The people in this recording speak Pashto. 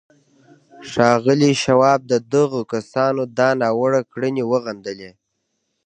ښاغلي شواب د دغو کسانو دا ناوړه کړنې وغندلې.